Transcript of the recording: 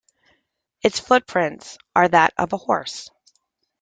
Its footprints are that of a horse.